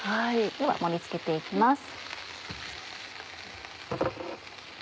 では盛り付けて行きます。